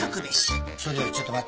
それよりちょっと待って。